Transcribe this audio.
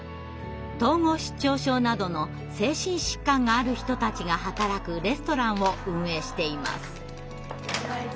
統合失調症などの精神疾患がある人たちが働くレストランを運営しています。